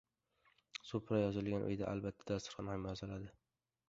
• Supra yozilgan uyda albatta dasturxon ham yoziladi.